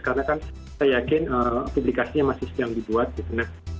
karena kan saya yakin publikasinya masih sedang dibuat gitu